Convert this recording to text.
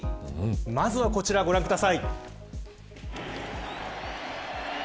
まずはこちらご覧ください。